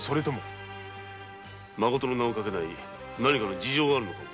まことの名を書けない何かの事情があるのか。